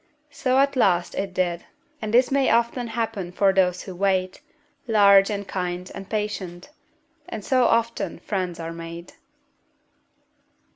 So at last it did; and this may often happen for those who wait, large and kind and patient; and so often friends are made."